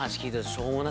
しょうもな。